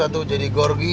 atau jadi gorgi